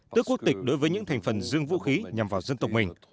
tức quốc tịch đối với những thành phần dương vũ khí nhằm vào dân tộc mình